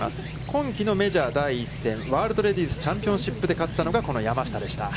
今季のメジャー第１戦、ワールドレディスチャンピオンシップで勝ったのがこの山下でした。